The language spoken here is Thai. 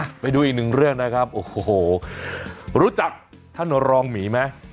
ไปดูอีกหนึ่งเรื่องนะครับโอ้โหรู้จักท่านรองหมีไหม